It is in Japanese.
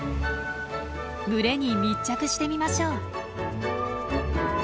群れに密着してみましょう。